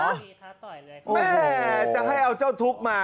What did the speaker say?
แม่จะให้เอาเจ้าทุกข์มา